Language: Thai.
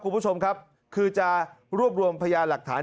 คุณผู้ชมครับคือจะรวบรวมพยานหลักฐาน